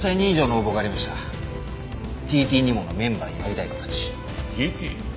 ＴＴ−Ｎｉｍｏのメンバーになりたい子たち。